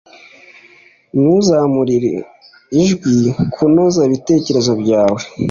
Ntuzamurire ijwi. Kunoza ibitekerezo byawe.